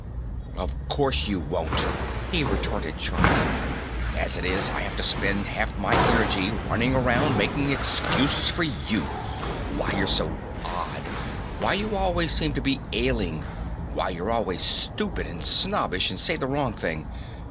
"Of course you won't," he retorted sharply. "As it is, I have to spend half my energy running around making excuses for you why you're so odd, why you always seem to be ailing, why you're always stupid and snobbish and say the wrong thing.